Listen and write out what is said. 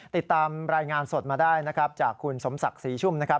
ติดตามรายงานสดมาได้จากคุณสมศักดิ์ศรีชุม